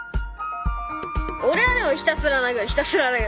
俺はでもひたすらひたすら。